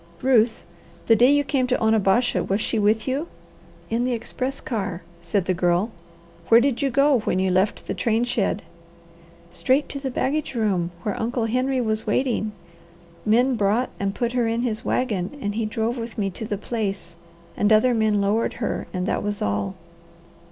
"Ruth, the day you came to Onabasha was she with you?" "In the express car," said the Girl. "Where did you go when you left the train shed?" "Straight to the baggage room, where Uncle Henry was waiting. Men brought and put her in his wagon, and he drove with me to the place and other men lowered her, and that was all."